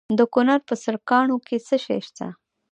د کونړ په سرکاڼو کې څه شی شته؟